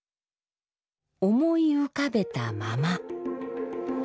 思い浮かべたまま。